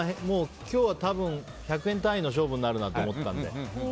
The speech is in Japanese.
今日は多分、１００円単位の勝負になるなと思ったので。